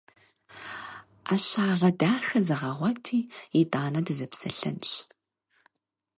Ӏэщагъэ дахэ зэгъэгъуэти, итӀанэ дызэпсэлъэнщ!